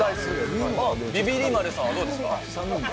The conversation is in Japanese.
びびり丸さんはどうですか？